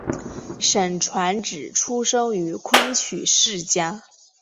沈传芷出生于昆曲世家。